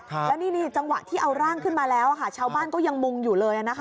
แล้วนี่นี่จังหวะที่เอาร่างขึ้นมาแล้วค่ะชาวบ้านก็ยังมุงอยู่เลยนะคะ